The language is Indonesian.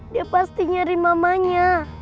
dia pasti nyari mamanya